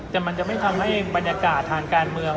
แต่มันจะไม่ทำให้บรรยากาศทางการเมือง